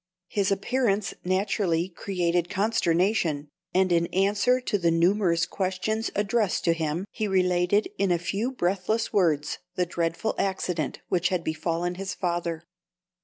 His appearance naturally created consternation, and in answer to the numerous questions addressed to him he related in a few breathless words the dreadful accident which had befallen his father.